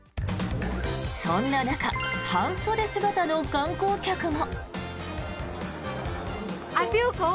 そんな中、半袖姿の観光客も。